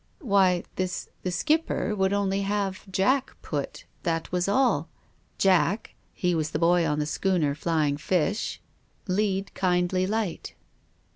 " Why — the — the Skipper would only have Jack put, that was all. Jack — he was the boy on the schooner ' Flying Fish '—' Lead, kindly light.'